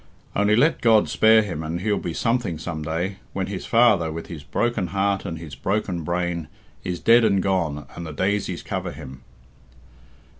Only let God spare him and he'll be something some day, when his father, with his broken heart and his broken brain, is dead and gone, and the daisies cover him.'"